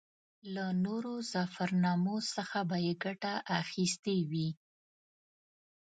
له نورو ظفرنامو څخه به یې ګټه اخیستې وي.